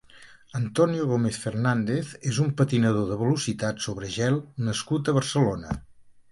Antonio Gómez Fernández és un patinador de velocitat sobre gel nascut a Barcelona.